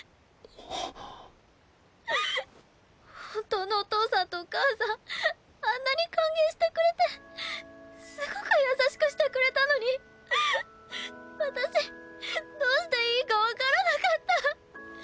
本当のお父さんとお母さんあんなに歓迎してくれてすごく優しくしてくれたのに私どうしていいかわからなかった。